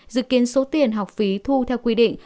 dự kiến số tiền học phí thu theo quy định